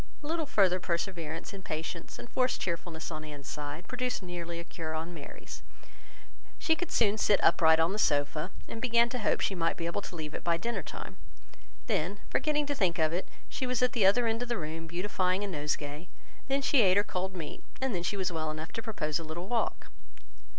A little further perseverance in patience and forced cheerfulness on Anne's side produced nearly a cure on Mary's. She could soon sit upright on the sofa, and began to hope she might be able to leave it by dinner time. Then, forgetting to think of it, she was at the other end of the room, beautifying a nosegay; then, she ate her cold meat; and then she was well enough to propose a little walk.